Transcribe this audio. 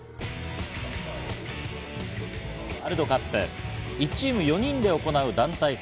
ワールドカップ、１チーム４人で行うこの団体戦